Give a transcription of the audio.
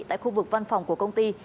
tại khu vực văn phòng của công ty